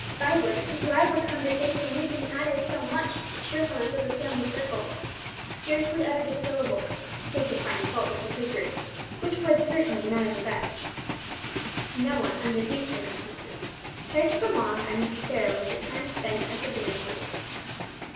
Vibert, whose lively conversation usually added so much to the cheerfulness of the family circle, scarcely uttered a syllable, save to find fault with the cookery, which was certainly none of the best. No one, under these circumstances, cared to prolong unnecessarily the time spent at the dinner table.